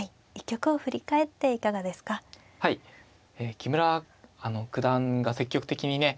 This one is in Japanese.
木村九段が積極的にね